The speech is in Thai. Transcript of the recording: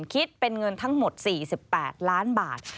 คิดเป็นเงินทั้งหมด๔๘ล้านบาท